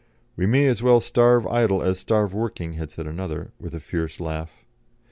"We may as well starve idle as starve working," had said another, with a fierce laugh.